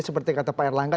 seperti kata pak erlangga